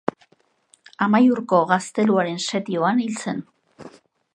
Amaiurko gazteluaren setioan hil zen.